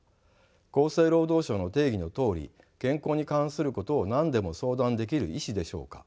厚生労働省の定義のとおり健康に関することを何でも相談できる医師でしょうか。